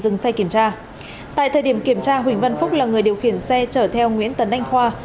dừng xe kiểm tra tại thời điểm kiểm tra huỳnh văn phúc là người điều khiển xe chở theo nguyễn tấn anh khoa